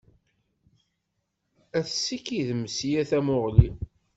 Ad t-ssikiden s yir tamuɣli.